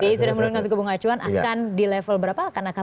jadi sudah menurunkan suku bunga acuan akan di level berapa